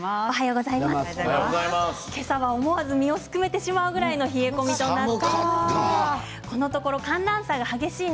今朝は思わず身をすくめてしまうぐらいの冷え込みとなりました。